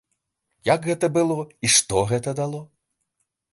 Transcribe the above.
Як гэта было і што гэта дало?